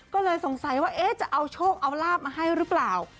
ก็เลยสงสัยว่าจะเอาโชคเอาลาบมาให้หรือเปล่า